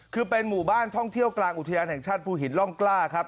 คือเป็นหมู่บ้านท่องเที่ยวกลางอุทยานแห่งชาติภูหินร่องกล้าครับ